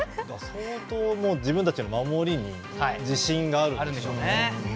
相当、自分たちの守りに自信があるんでしょうね。